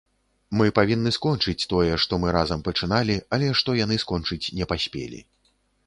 Мы павінны скончыць тое, што мы разам пачыналі, але што яны скончыць не паспелі.